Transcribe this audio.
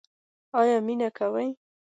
ایا مینه کوئ؟